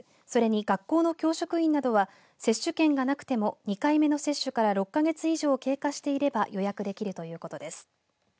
それに、学校の教職員などは接種券がなくても２回目の接種から６か月以上経過していれば予約できるということです。